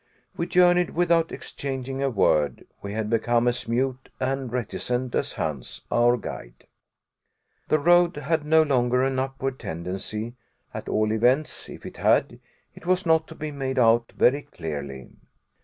We journeyed without exchanging a word. We had become as mute and reticent as Hans, our guide. The road had no longer an upward tendency; at all events, if it had, it was not to be made out very clearly.